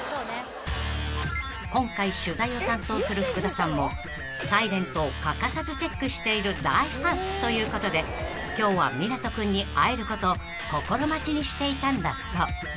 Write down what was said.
［今回取材を担当する福田さんも『ｓｉｌｅｎｔ』を欠かさずチェックしている大ファンということで今日は湊斗君に会えることを心待ちにしていたんだそう］